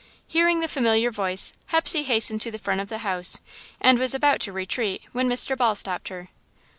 Hearing the familiar voice, Hepsey hastened to the front of the house, and was about to retreat, when Mr. Ball stopped her.